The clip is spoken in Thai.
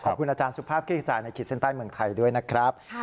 ขอบคุณอาจารย์สุภาพคลิกจ่ายในขีดเส้นใต้เมืองไทยด้วยนะครับ